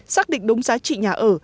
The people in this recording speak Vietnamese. xác định đúng giá trị nhà ở